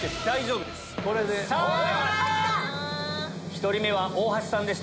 １人目は大橋さんでした。